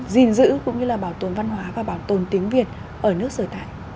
gìn giữ cũng như là bảo tồn văn hóa và bảo tồn tiếng việt ở nước sở tại